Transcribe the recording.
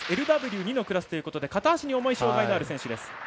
ＬＷ２のクラスということで片足に重い障がいのある選手です。